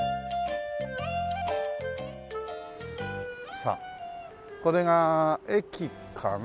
さあこれが駅かな。